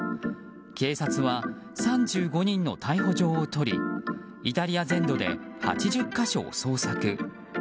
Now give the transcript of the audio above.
警察は３５人の逮捕状を取りイタリア全土で８０か所を捜索。